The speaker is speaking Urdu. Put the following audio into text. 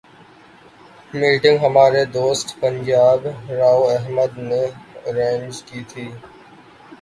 میٹنگ ہمارے دوست پنجاب راؤ امجد نے ارینج کی تھی۔